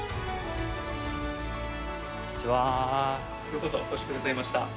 ようこそお越しくださいました！